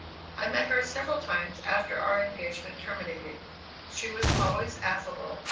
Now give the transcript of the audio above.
I met her several times after our engagement terminated. She was always affable.